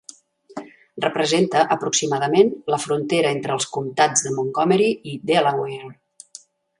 Representa aproximadament la frontera entre els comtats de Montgomery i Delaware.